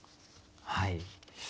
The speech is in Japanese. はい。